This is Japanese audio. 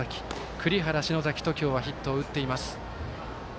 栗原、篠崎と今日はヒットを打っています。